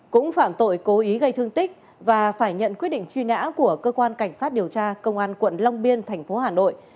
cũng phạm tội cố ý gây thương tích và phải nhận quyết định truy nã của cơ quan cảnh sát điều tra công an quận long biên thành phố hà nội